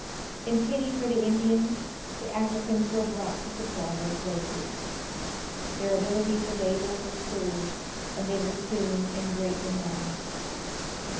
In pity for the Indians, the Africans were brought to supply their places. Their ability to labor was proved, and they were soon in great demand.